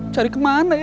cari kemana ya